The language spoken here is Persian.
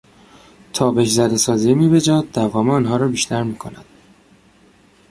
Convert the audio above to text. تابش زده سازی میوهجات دوام آنها را بیشتر میکند.